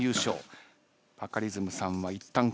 バカリズムさんはいったん書き直す。